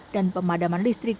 dan pemadaman listrik